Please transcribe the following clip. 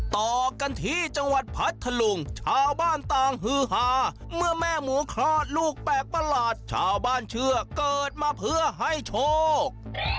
ต่อกันที่จังหวัดพัทธลุงชาวบ้านต่างฮือฮาเมื่อแม่หมูคลอดลูกแปลกประหลาดชาวบ้านเชื่อเกิดมาเพื่อให้โชค